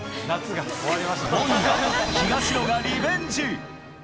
今夜、東野がリベンジ！